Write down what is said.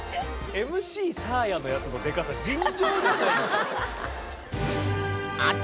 ＭＣサーヤのやつのデカさ尋常じゃない。